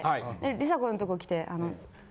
梨紗子のとこ来て。